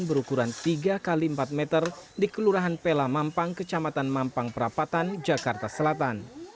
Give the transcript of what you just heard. berukuran tiga x empat meter di kelurahan pela mampang kecamatan mampang perapatan jakarta selatan